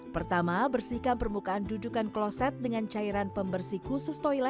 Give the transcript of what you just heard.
pertama bersihkan permukaan dudukan kloset dengan cairan pembersih khusus toilet